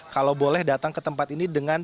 kalau boleh datang ke tempat ini dengan